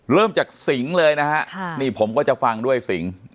เริ่มจากสิงเลยนะฮะนี่ผมก็จะฟังด้วยสิง